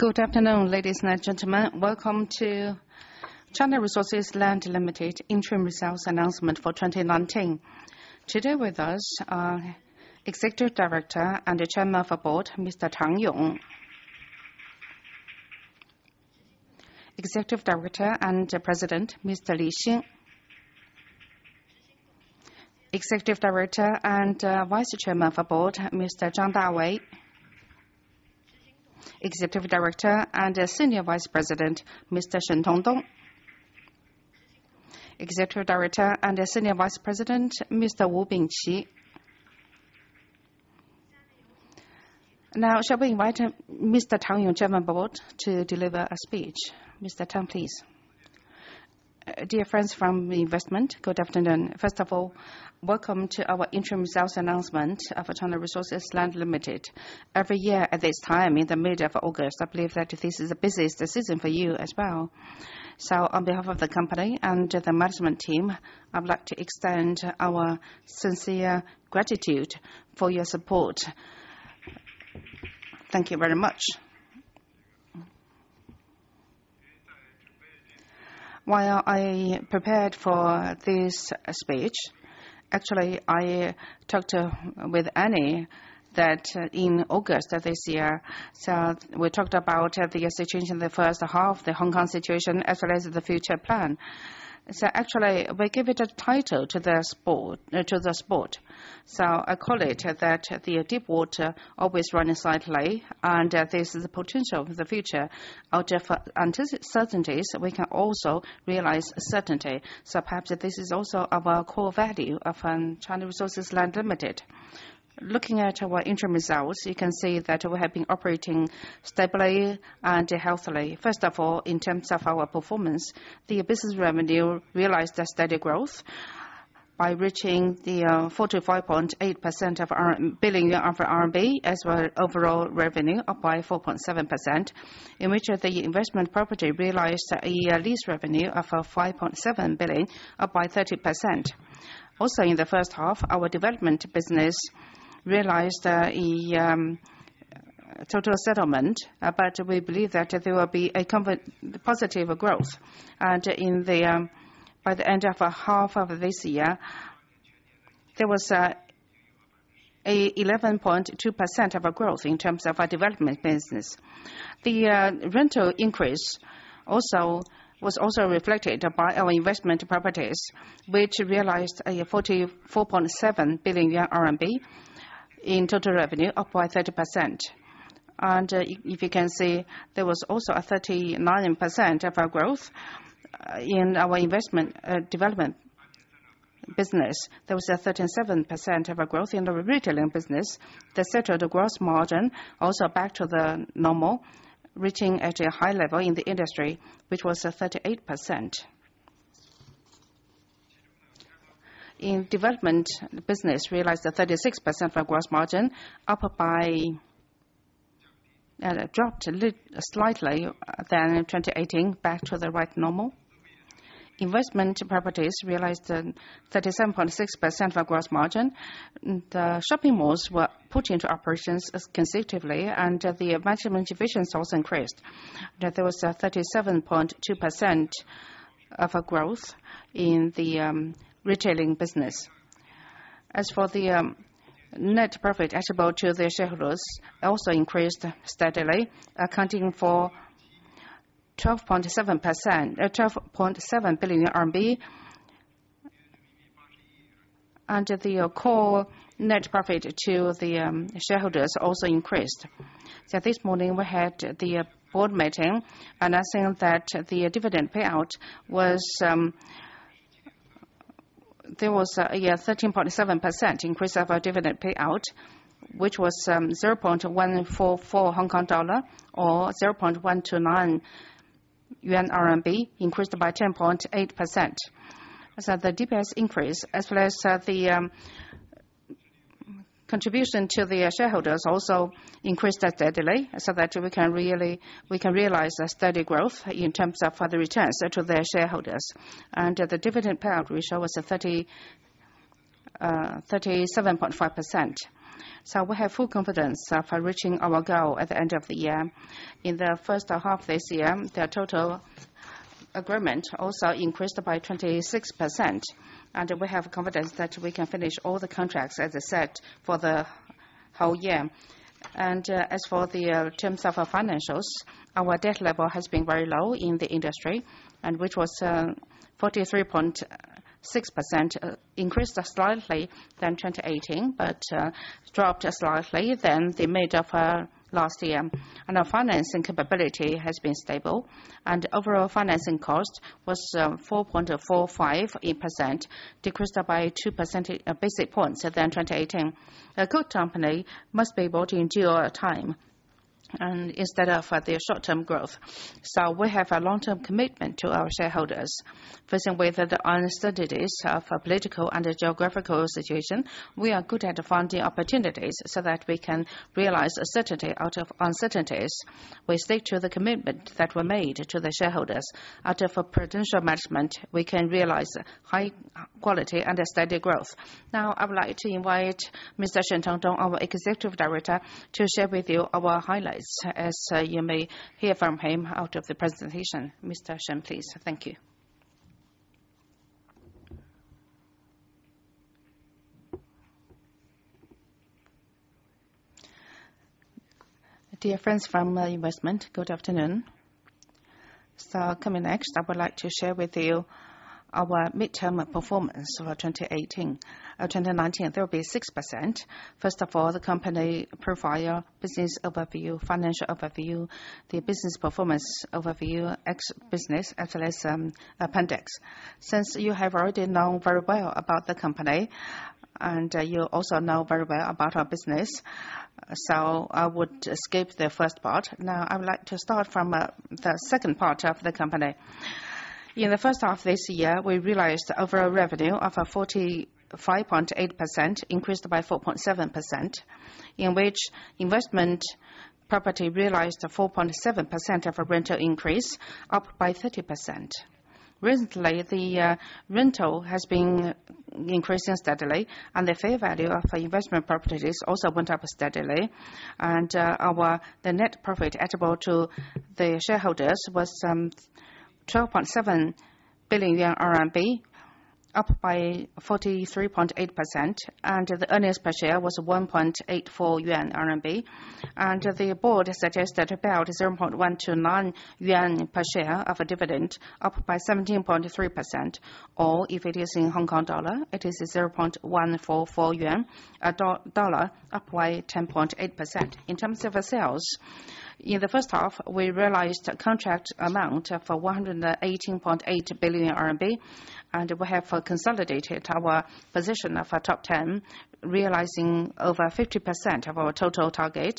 Good afternoon, ladies and gentlemen. Welcome to China Resources Land Limited interim results announcement for 2019. Today with us are Executive Director and Chairman of the Board, Mr. Tang Yong, Executive Director and President, Mr. Li Xin, Executive Director and Vice Chairman of Board, Mr. Zhang Dawei, Executive Director and Senior Vice President, Mr. Shen Tongdong, Executive Director and Senior Vice President, Mr. Wu Bingqi. Shall we invite Mr. Tang Yong, Chairman of the Board, to deliver a speech. Mr. Tang, please. Dear friends from investment, good afternoon. First of all, welcome to our interim sales announcement of China Resources Land Limited. Every year at this time, in the middle of August, I believe that this is the busiest season for you as well. On behalf of the company and the management team, I would like to extend our sincere gratitude for your support. Thank you very much. I prepared for this speech, actually, I talked with Annie that in August of this year, we talked about the situation in the first half, the Hong Kong situation, as well as the future plan. Actually, we give it a title to the board. I call it that the deep water always run slightly, and there's the potential of the future out of uncertainties, we can also realize certainty. Perhaps this is also our core value of China Resources Land Limited. Looking at our interim results, you can see that we have been operating stably and healthily. First of all, in terms of our performance, the business revenue realized a steady growth by reaching 45.8 billion RMB as well overall revenue up by 4.7%, in which the investment property realized a lease revenue of 5.7 billion, up by 30%. In the first half, our development business realized a total settlement, but we believe that there will be a positive growth. By the end of a half of this year, there was a 11.2% of growth in terms of our development business. The rental increase was also reflected by our investment properties, which realized 44.7 billion yuan in total revenue up by 30%. If you can see, there was also a 39% of our growth in our investment development business. There was a 37% of our growth in the retailing business, et cetera. The growth margin also back to the normal, reaching at a high level in the industry, which was a 38%. In development business realized a 36% gross margin dropped a little slightly than 2018 back to the right normal. Investment properties realized a 37.6% of gross margin. The shopping malls were put into operations consecutively and the management division source increased. There was a 37.2% of a growth in the retailing business. As for the net profit attributable to the shareholders, also increased steadily, accounting for 12.7% or 12.7 billion RMB. The core net profit to the shareholders also increased. This morning we had the board meeting and I think that the dividend payout, there was a 13.7% increase of our dividend payout, which was 0.144 Hong Kong dollar or RMB, increased by 10.8%. The DPS increase, as well as the contribution to the shareholders also increased steadily so that we can realize a steady growth in terms of the returns to the shareholders. The dividend payout ratio was a 37.5%. We have full confidence for reaching our goal at the end of the year. In the first half this year, the total agreement also increased by 26%. We have confidence that we can finish all the contracts as I said for the whole year. As for the terms of our financials, our debt level has been very low in the industry, which was 43.6%, increased slightly than 2018, but dropped slightly than the mid of last year. Our financing capability has been stable, and overall financing cost was 4.45%, decreased by two percentage basis points than 2018. A good company must be able to endure a time and instead of their short-term growth. We have a long-term commitment to our shareholders. Facing with the uncertainties of political and geographical situation, we are good at finding opportunities so that we can realize a certainty out of uncertainties. We stick to the commitment that were made to the shareholders. Out of a potential management, we can realize high quality and a steady growth. I would like to invite Mr. Shen Tongdong, our Executive Director, to share with you our highlights, as you may hear from him out of the presentation. Mr. Shen, please. Thank you. Dear friends from investment, good afternoon. Coming next, I would like to share with you our midterm performance for 2019. There will be 6%. First of all, the company profile, business overview, financial overview, the business performance overview, X business, as well as appendix. Since you have already known very well about the company, and you also know very well about our business, so I would skip the first part. I would like to start from the second part of the company. In the first half of this year, we realized overall revenue of 45.8%, increased by 4.7%, in which investment property realized 4.7% of rental increase, up by 30%. Recently, the rental has been increasing steadily, the fair value of investment properties also went up steadily. The net profit attributable to the shareholders was 12.7 billion yuan, up by 43.8%, and the earnings per share was 1.84 yuan. The board suggested payout 0.129 yuan per share of a dividend, up by 17.3%, or if it is in HKD, it is HKD 0.144, up by 10.8%. In terms of our sales, in the first half, we realized contract amount for 118.8 billion RMB, and we have consolidated our position of top 10, realizing over 50% of our total target.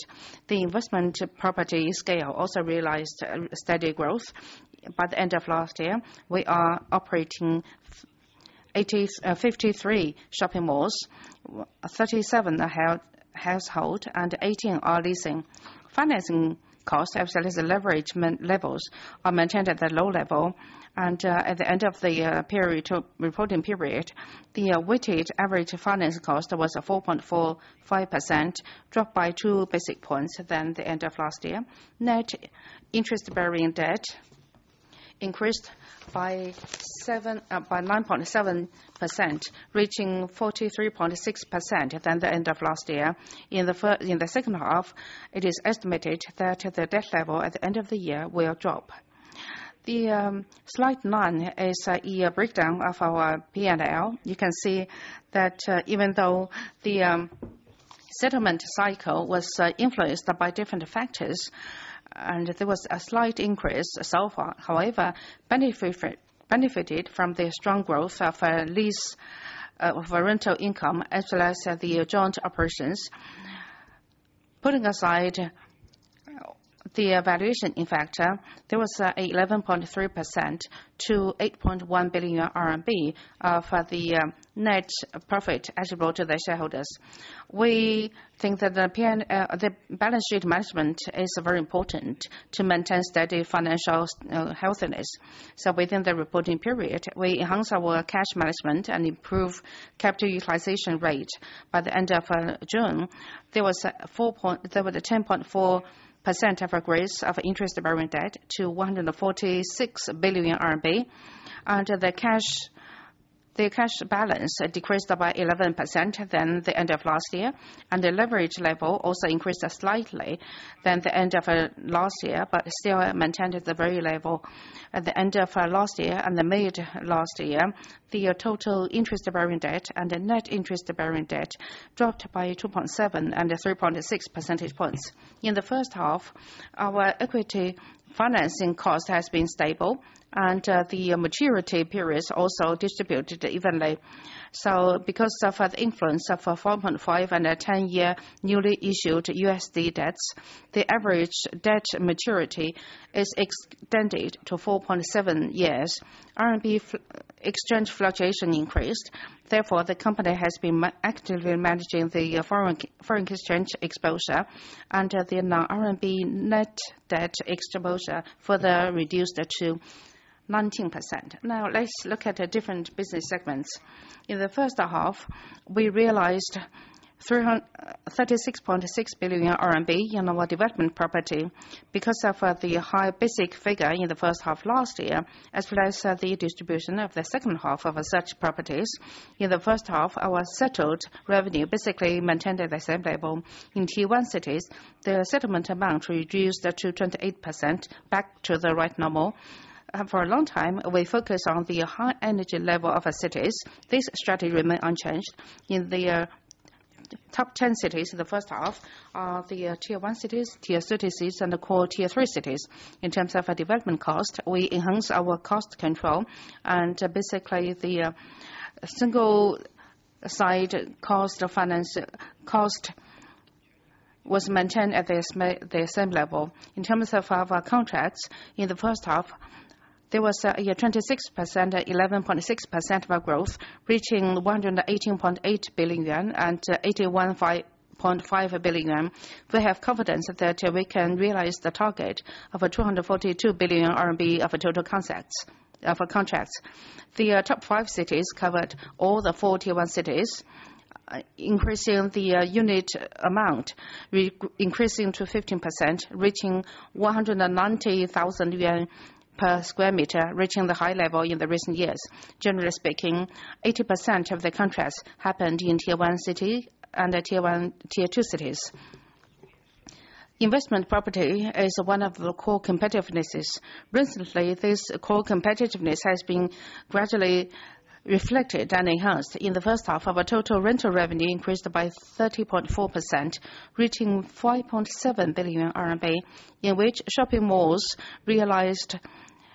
The investment property scale also realized steady growth. By the end of last year, we are operating 53 shopping malls, 37 are our own, and 18 are leasing. Financing costs, as well as leverage levels are maintained at the low level. At the end of the reporting period, the weighted average finance cost was 4.45%, dropped by two basic points than the end of last year. Net interest-bearing debt increased by 9.7%, reaching 43.6% than the end of last year. In the second half, it is estimated that the debt level at the end of the year will drop. The slide nine is a year breakdown of our P&L. You can see that even though the settlement cycle was influenced by different factors, and there was a slight increase so far. However, we benefited from the strong growth of our rental income, as well as the joint operations. Putting aside the valuation factor, there was 11.3% to 8.1 billion RMB for the net profit attributable to the shareholders. We think that the balance sheet management is very important to maintain steady financial healthiness. Within the reporting period, we enhanced our cash management and improved capital utilization rate. By the end of June, there was a 10.4% of our growth of interest-bearing debt to 146 billion RMB. The cash balance decreased by 11% than the end of last year. The leverage level also increased slightly than the end of last year, but still maintained at the very level at the end of last year and mid last year. The total interest-bearing debt and the net interest-bearing debt dropped by 2.7 and 3.6 percentage points. In the first half, our equity financing cost has been stable, and the maturity periods also distributed evenly. Because of the influence of 4.5 and a 10-year newly issued USD debts, the average debt maturity is extended to 4.7 years. RMB exchange fluctuation increased. The company has been actively managing the foreign exchange exposure and the non-RMB net debt exposure further reduced to 19%. Let's look at different business segments. In the first half, we realized 36.6 billion RMB in our Development Property because of the high basic figure in the first half of last year, as well as the distribution of the second half of such properties. In the first half, our settled revenue basically maintained at the same level. In Tier 1 cities, the settlement amount reduced to 28%, back to the right normal. For a long time, we focus on the high energy level of cities. This strategy remained unchanged. In the top 10 cities in the first half are the Tier 1 cities, Tier 2 cities and the core Tier 3 cities. In terms of our development cost, we enhanced our cost control and basically, the single site cost was maintained at the same level. In terms of our contracts, in the first half, there was a 26%, 11.6% of our growth, reaching 118.8 billion yuan and 81.5 billion. We have confidence that we can realize the target of 242 billion RMB of total contracts. The top five cities covered all the 4 Tier 1 cities increasing the unit amount, increasing to 15%, reaching 190,000 yuan per sq m, reaching the high level in the recent years. Generally speaking, 80% of the contracts happened in Tier 1 city and the Tier 2 cities. Investment property is one of the core competitivenesses. Recently, this core competitiveness has been gradually reflected and enhanced. In the first half, our total rental revenue increased by 30.4%, reaching 5.7 billion RMB, in which shopping malls realized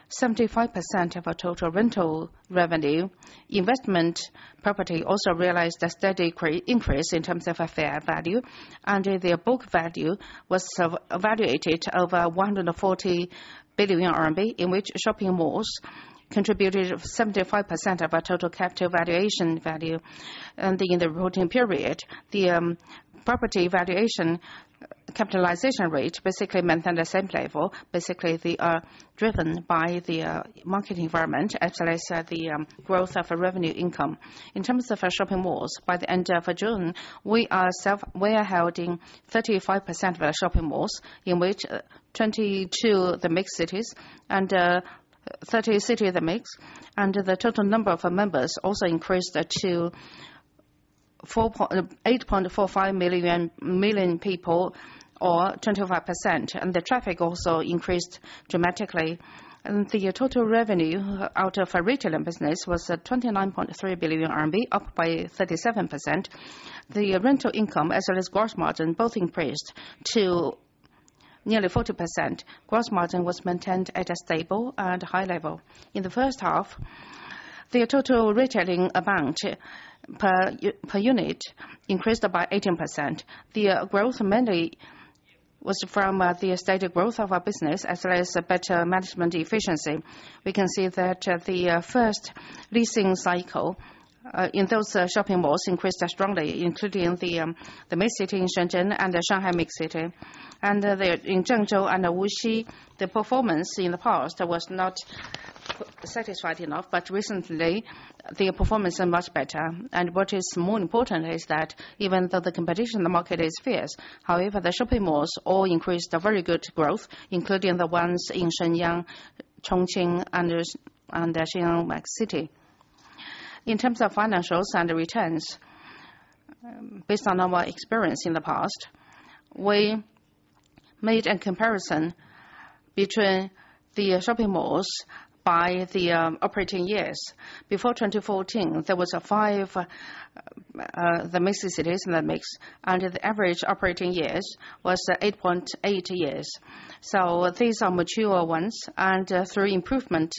75% of our total rental revenue. Investment property also realized a steady increase in terms of fair value, and their book value was valuated over 140 billion RMB, in which shopping malls contributed 75% of our total capital valuation value. In the reporting period, the property valuation capitalization rate basically maintained the same level. Basically, they are driven by the market environment as well as the growth of our revenue income. In terms of our shopping malls, by the end of June, we are holding 35% of our shopping malls, in which 22 MixC and 30 MixC, and the total number of our members also increased to 8.45 million people or 25%, and the traffic also increased dramatically. The total revenue out of our retail and business was 29.3 billion RMB, up by 37%. The rental income as well as gross margin both increased to nearly 40%. Gross margin was maintained at a stable and high level. In the first half, their total retailing amount per unit increased by 18%. The growth mainly was from the steady growth of our business as well as better management efficiency. We can see that the first leasing cycle in those shopping malls increased strongly, including the MixC in Shenzhen and the Shanghai MixC. In Zhengzhou and Wuxi, the performance in the past was not satisfied enough, but recently, the performance is much better. What is more important is that even though the competition in the market is fierce, however, the shopping malls all increased a very good growth, including the ones in Shenyang, Chongqing, and the Hangzhou MixC. In terms of financials and returns, based on our experience in the past, we made a comparison between the shopping malls by the operating years. Before 2014, there was five, the MixC cities and the MixC, and the average operating years was 8.8 years. These are mature ones. Through improvement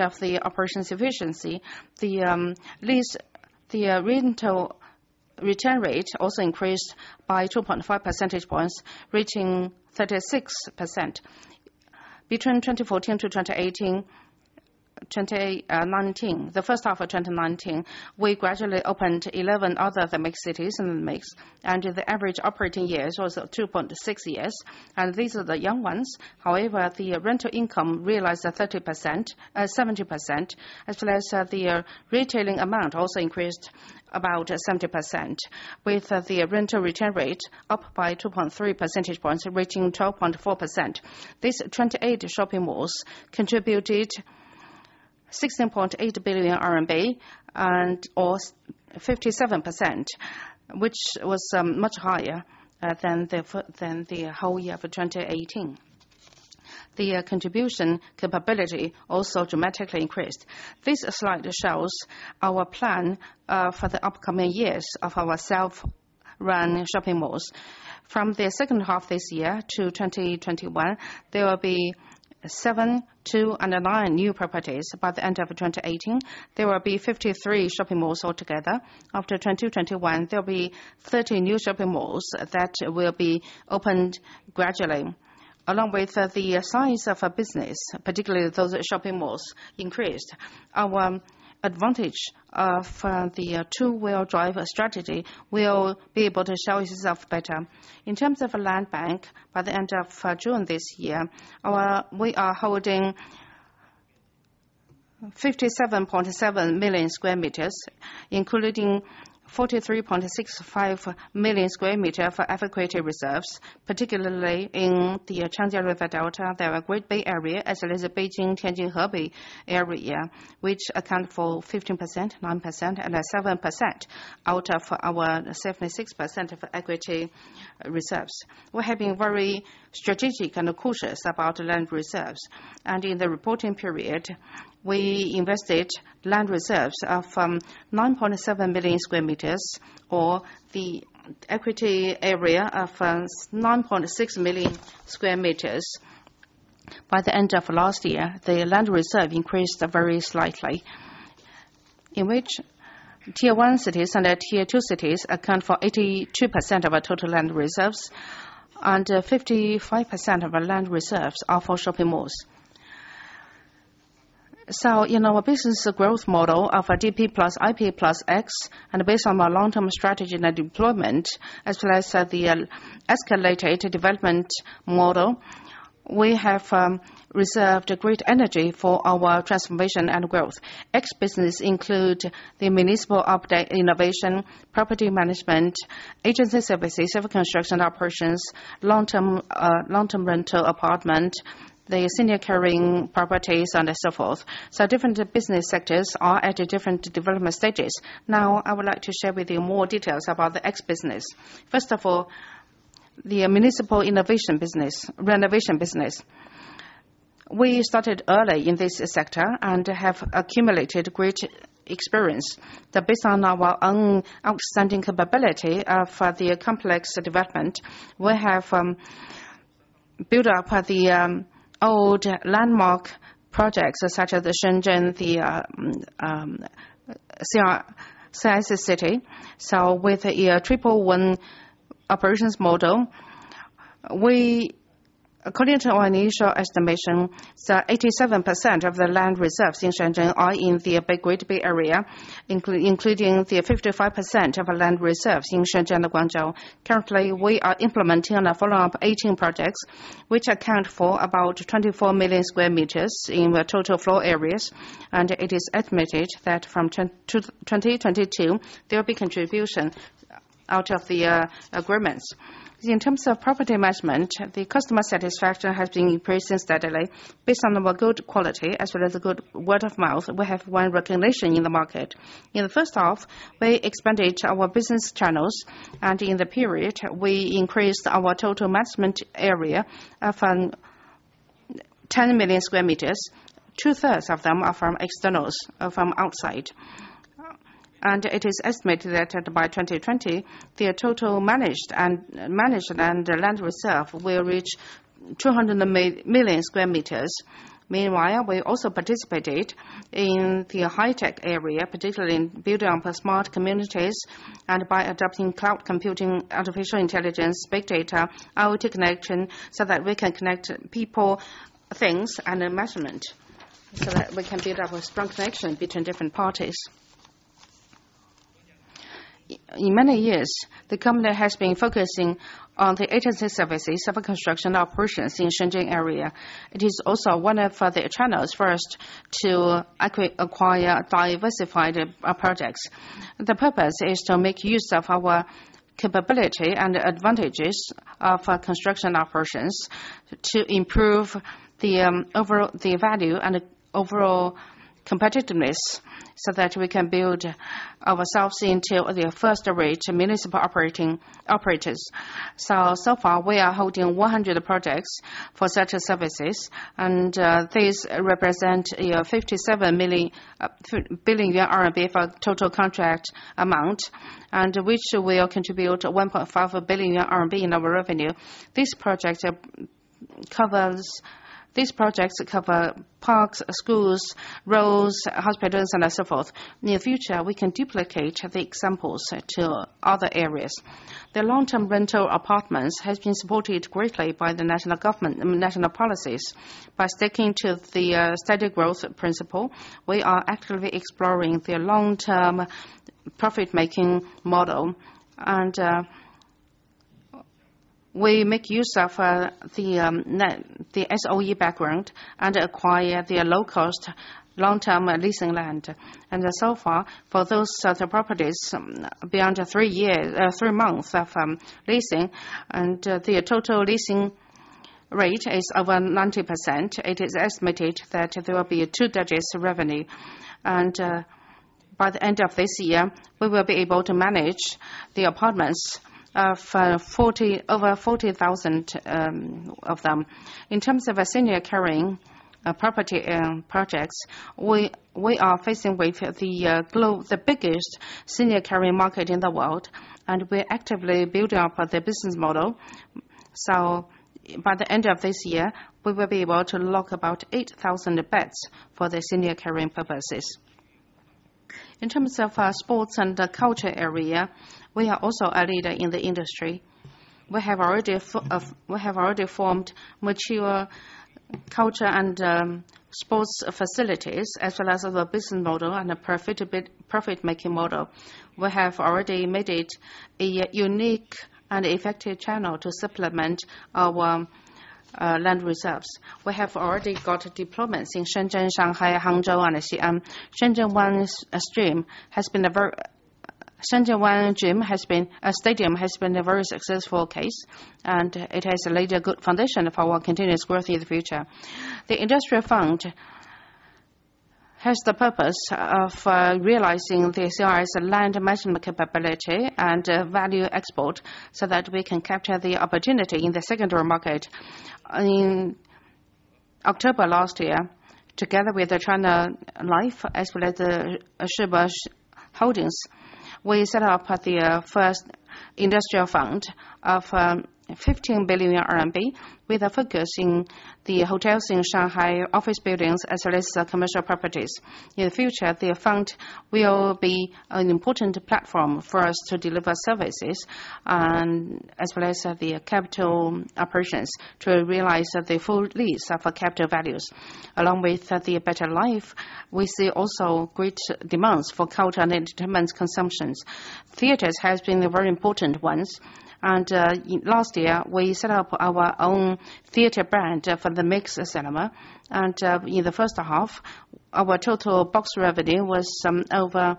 of the operations efficiency, the rental return rate also increased by 2.5 percentage points, reaching 36%. Between 2014 to 2019, the first half of 2019, we gradually opened 11 other the MixC cities and the MixC, and the average operating years was 2.6 years, and these are the young ones. However, the rental income realized 70%, as well as the retailing amount also increased about 70%, with the rental return rate up by 2.3 percentage points, reaching 12.4%. These 28 shopping malls contributed 16.8 billion RMB or 57%, which was much higher than the whole year for 2018. The contribution capability also dramatically increased. This slide shows our plan for the upcoming years of our self-run shopping malls. From the second half this year to 2021, there will be seven, two, and nine new properties. By the end of 2018, there will be 53 shopping malls altogether. After 2021, there will be 30 new shopping malls that will be opened gradually. Along with the size of our business, particularly those shopping malls, increased, our advantage of the two-wheel drive strategy will be able to show itself better. In terms of our land bank, by the end of June this year, we are holding 57.7 million sq m, including 43.65 million sq m for equity reserves, particularly in the Yangtze River Delta, the Greater Bay Area, as well as the Beijing-Tianjin-Hebei area, which account for 15%, 9%, and 7% out of our 76% of equity reserves. We have been very strategic and cautious about land reserves, and in the reporting period, we invested land reserves of 9.7 million sq m, or the equity area of 9.6 million sq m. By the end of last year, the land reserve increased very slightly, in which Tier 1 cities and the Tier 2 cities account for 82% of our total land reserves, and 55% of our land reserves are for shopping malls. In our business growth model of DP + IP + X, and based on our long-term strategy and deployment, as well as the escalated development model, we have reserved great energy for our transformation and growth. X business include the municipal renovation, property management, agency services, civil construction operations, long-term rental apartment, the senior caring properties, and so forth. Different business sectors are at different development stages. Now, I would like to share with you more details about the X business. First of all, the municipal renovation business. We started early in this sector and have accumulated great experience. Based on our own outstanding capability for the complex development, we have built up the old landmark projects such as the Shenzhen CR City. With a triple one operations model, according to our initial estimation, 87% of the land reserves in Shenzhen are in the Greater Bay Area, including the 55% of land reserves in Shenzhen, Guangzhou. Currently, we are implementing a follow-up of 18 projects, which account for about 24 million square meters in the total floor areas, and it is estimated that from 2022, there will be contribution out of the agreements. In terms of property management, the customer satisfaction has been increasing steadily. Based on the good quality as well as the good word of mouth, we have wide recognition in the market. In the first half, we expanded our business channels, and in the period, we increased our total management area of 10 million sq m. Two-thirds of them are from externals, from outside. It is estimated that by 2020, the total managed land reserve will reach 200 million sq m. Meanwhile, we also participated in the high-tech area, particularly in building up smart communities, and by adopting cloud computing, artificial intelligence, big data, IoT connection, so that we can connect people, things, and the measurement, so that we can build up a strong connection between different parties. In many years, the company has been focusing on the agency services of construction operations in Shenzhen area. It is also one of the channels for us to acquire diversified projects. The purpose is to make use of our capability and advantages of construction operations to improve the value and overall competitiveness, so that we can build ourselves into the first-rate municipal operators. So far, we are holding 100 projects for such services, these represent 57 billion yuan for total contract amount, which will contribute to 1.5 billion yuan in our revenue. These projects cover parks, schools, roads, hospitals, and so forth. In the future, we can duplicate the examples to other areas. The long-term rental apartments has been supported greatly by the national government and national policies. By sticking to the steady growth principle, we are actively exploring the long-term profit-making model. We make use of the SOE background and acquire the low-cost, long-term leasing land. So far, for those sorts of properties, beyond three months of leasing, and the total leasing rate is over 90%, it is estimated that there will be a two-digit revenue. By the end of this year, we will be able to manage the apartments, over 40,000 of them. In terms of senior caring properties, we are facing with the biggest senior caring market in the world, and we're actively building up the business model. By the end of this year, we will be able to lock about 8,000 beds for the senior caring purposes. In terms of our sports and culture area, we are also a leader in the industry. We have already formed mature culture and sports facilities as well as the business model and a profit-making model. We have already made it a unique and effective channel to supplement our land reserves. We have already got deployments in Shenzhen, Shanghai, Hangzhou, and Xi'an. Shenzhen One stream has been a very successful case, and it has laid a good foundation for our continuous growth in the future. The industrial fund has the purpose of realizing the CSI's land maximum capability and value export so that we can capture the opportunity in the secondary market. In October last year, together with China Life, as well as the Shibus Holdings, we set up the first industrial fund of 15 billion RMB, with a focus in the hotels in Shanghai, office buildings, as well as commercial properties. In the future, the fund will be an important platform for us to deliver services, as well as the capital operations to realize the full lease of capital values. Along with the better life, we see also great demands for culture and entertainment consumptions. Theaters has been a very important ones. Last year, we set up our own theater brand for the MixC Cinema. In the first half, our total box revenue was over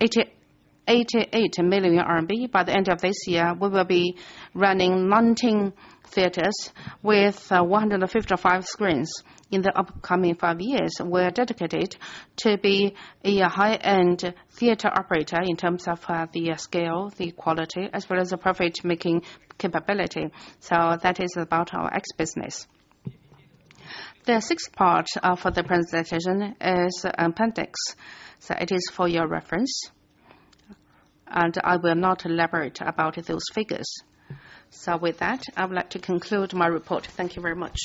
88 million RMB. By the end of this year, we will be running 19 theaters with 155 screens. In the upcoming five years, we are dedicated to be a high-end theater operator in terms of the scale, the quality, as well as the profit-making capability. That is about our X business. The sixth part of the presentation is appendix. It is for your reference. I will not elaborate about those figures. With that, I would like to conclude my report. Thank you very much.